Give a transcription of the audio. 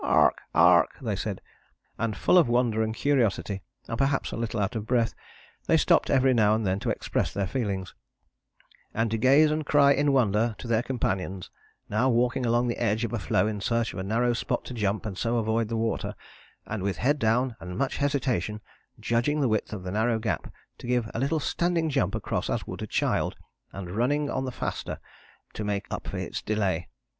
"Aark, aark," they said, and full of wonder and curiosity, and perhaps a little out of breath, they stopped every now and then to express their feelings, "and to gaze and cry in wonder to their companions; now walking along the edge of a floe in search of a narrow spot to jump and so avoid the water, and with head down and much hesitation judging the width of the narrow gap, to give a little standing jump across as would a child, and running on the faster to make up for its delay.